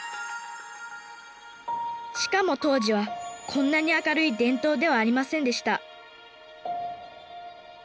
しかも当時はこんなに明るい電灯ではありませんでした